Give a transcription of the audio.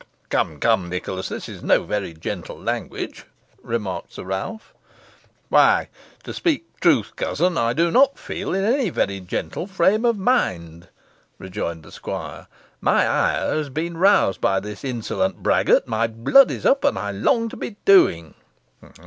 "Come, come, Nicholas, this is no very gentle language," remarked Sir Ralph. "Why, to speak truth, cousin, I do not feel in any very gentle frame of mind," rejoined the squire; "my ire has been roused by this insolent braggart, my blood is up, and I long to be doing."